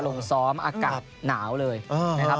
ลงซ้อมอากาศหนาวเลยนะครับ